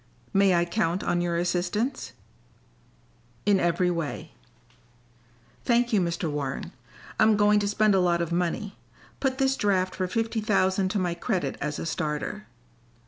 "May I count on your assistance?" "In every way." "Thank you, Mr. Warren, I'm going to spend a lot of money. Put this draft for fifty thousand to my credit as a starter."